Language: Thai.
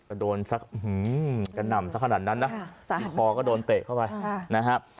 จะโดนสักอื้อหือจะหน่ำสักขนาดนั้นนะสามปอก็โดนเตะเข้าไปอ่านะครับ